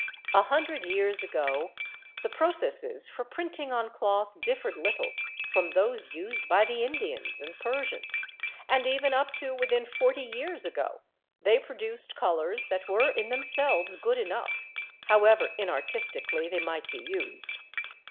A hundred years ago the processes for printing on cloth differed little from those used by the Indians and Persians; and even up to within forty years ago they produced colours that were in themselves good enough, however inartistically they might be used.